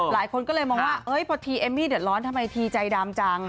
หลายคนก็เลยมองว่าพอทีเอมมี่เดือดร้อนทำไมทีใจดำจัง